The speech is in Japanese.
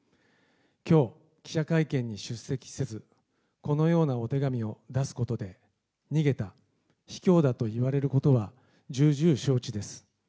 きょう、記者会見に出席せず、このようなお手紙を出すことで、逃げた、卑怯だと言われることは重々承知です。